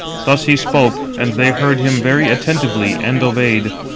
Thus he spoke; and they heard him very attentively, and obeyed.